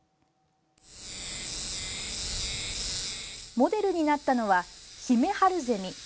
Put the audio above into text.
モデルになったのはヒメハルゼミ。